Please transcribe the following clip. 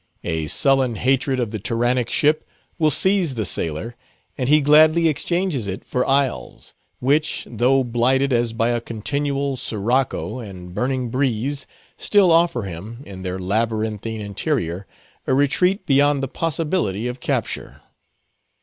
A sullen hatred of the tyrannic ship will seize the sailor, and he gladly exchanges it for isles, which, though blighted as by a continual sirocco and burning breeze, still offer him, in their labyrinthine interior, a retreat beyond the possibility of capture.